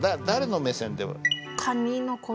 誰の目線で？